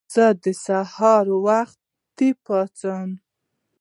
زه د سهار وختي پاڅم.